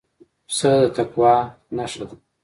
پسه د تقوی نښه ده.